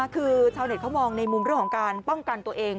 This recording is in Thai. คือชาวเน็ตเขามองในมุมเรื่องของการป้องกันตัวเอง